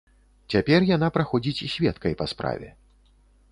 Цяпер яна праходзіць сведкай па справе.